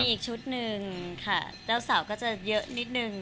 อีกชุดหนึ่งค่ะเจ้าสาวก็จะเยอะนิดนึง